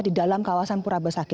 di dalam kawasan pura besaki